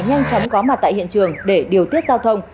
nhanh chóng có mặt tại hiện trường để điều tiết giao thông